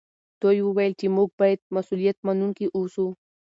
دوی وویل چې موږ باید مسوولیت منونکي اوسو.